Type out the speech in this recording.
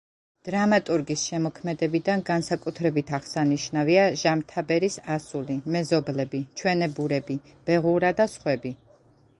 დრამატურგის შემოქმედებიდან განსაკუთრებით აღსანიშნავია: „ჟამთაბერის ასული“, „მეზობლები“, „ჩვენებურები“, „ბუღარა“ და სხვები.